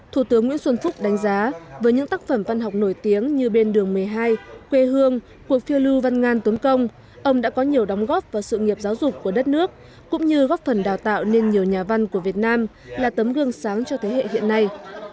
thủ tướng nguyễn xuân phúc đánh giá với những tác phẩm văn học nổi tiếng như bên đường một mươi hai quê hương cuộc phiêu lưu văn ngan tốn công ông đã có nhiều đóng góp vào sự nghiệp giáo dục của đất nước cũng như góp phần đào tạo nên nhiều nhà văn của việt nam là tấm gương sáng cho thế hệ hiện nay